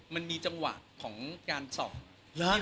มันมีจังหวะของการสอบ